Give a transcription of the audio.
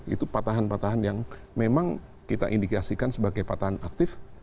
itu patahan patahan yang memang kita indikasikan sebagai patahan aktif